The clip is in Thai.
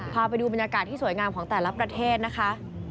พาไปดูบรรยากาศที่สวยงามของแต่ละประเทศนะคะ